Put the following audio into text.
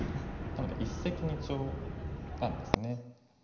なので一石二鳥なんですね。